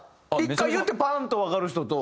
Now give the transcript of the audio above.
１回言ってバンとわかる人と。